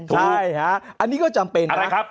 ใช่ฮะอันนี้ก็จำเป็นนะครับ